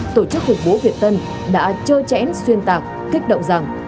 tổ chức hục bố việt tân đã trơ chẽn xuyên tạc kích động rằng